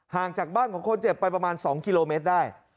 จากบ้านของคนเจ็บไปประมาณ๒กิโลเมตรได้